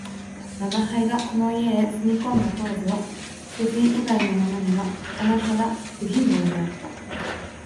吾輩がこの家へ住み込んだ当時は、主人以外のものにははなはだ不人望であった